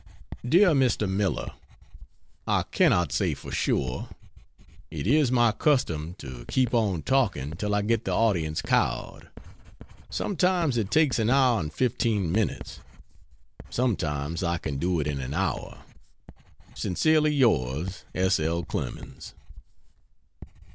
DEAR MR. MILLER, I cannot say for sure. It is my custom to keep on talking till I get the audience cowed. Sometimes it takes an hour and fifteen minutes, sometimes I can do it in an hour. Sincerely yours, S. L. CLEMENS.